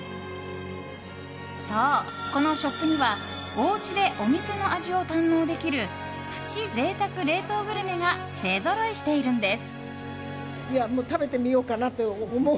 そう、このショップにはおうちでお店の味を堪能できるプチ贅沢冷凍グルメが勢ぞろいしているんです。